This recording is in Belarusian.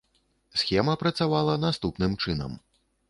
Схема працавала наступным чынам.